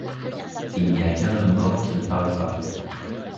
Il n’y a qu’un homme mort qui ne parle pas